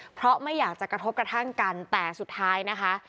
เพราะไม่อยากจะกระทบกระทั่งกันแต่สุดท้ายนะคะ